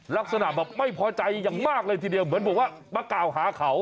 ลักษณะแบบไม่พอใจอย่างมากเลยทีเดียวเหมือนบอกว่ามากล่าวหาเขา